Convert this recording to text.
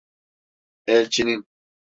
Elçinin…